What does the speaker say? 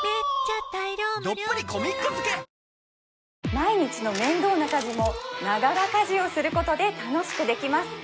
毎日の面倒な家事もながら家事をすることで楽しくできます